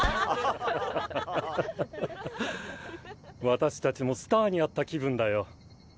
私達もスターに会った気分だよ。